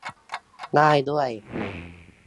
ได้ด้วย